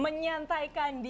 betul menyantaikan diri